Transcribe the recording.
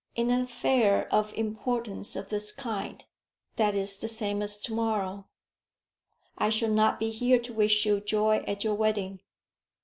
"In an affair of importance of this kind, that is the same as to morrow. I shall not be here to wish you joy at your wedding."